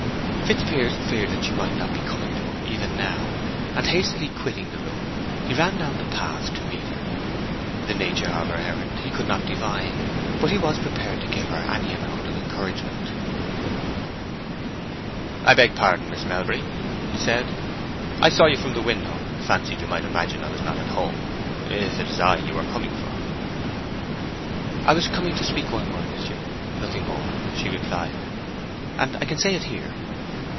Fitzpiers feared that she might not be coming to him even now, and hastily quitting the room, he ran down the path to meet her. The nature of her errand he could not divine, but he was prepared to give her any amount of encouragement. "I beg pardon, Miss Melbury," he said. "I saw you from the window, and fancied you might imagine that I was not at home—if it is I you were coming for." "I was coming to speak one word to you, nothing more," she replied. "And I can say it here."